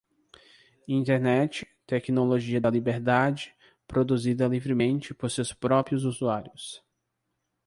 Internet, tecnologia da liberdade, produzida livremente por seus próprios usuários.